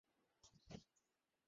কর্তৃত্ব আমার কাছে রয়েছে।